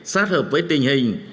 sát hợp với tình hình